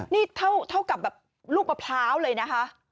นี่เท่ากับแบบลูกมะพร้าวเลยนะคะ